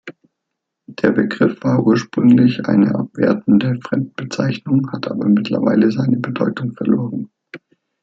Der Begriff war ursprünglich eine abwertende Fremdbezeichnung, hat aber mittlerweile seine Bedeutung verloren.